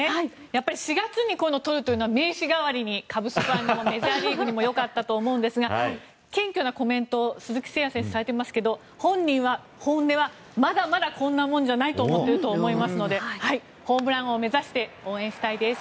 やっぱり４月に取るというのは名刺代わりにカブスファンにもメジャーリーグにもよかったと思うんですが謙虚なコメントを鈴木誠也選手はされていますが本人の本音はまだまだこんなもんじゃないと思っていると思いますのでホームラン王目指して応援したいです。